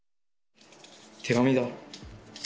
手紙だ。